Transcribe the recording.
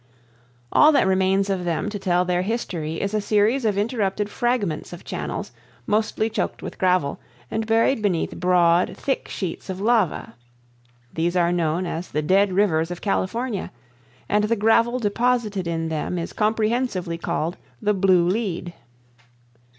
All that remains of them to tell their history is a series of interrupted fragments of channels, mostly choked with gravel, and buried beneath broad, thick sheets of lava. These are known as the "Dead Rivers of California," and the gravel deposited in them is comprehensively called the "Blue Lead."